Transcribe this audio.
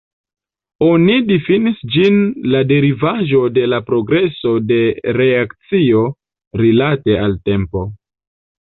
Oni difinis ĝin la derivaĵo de la progreso de reakcio rilate al tempo.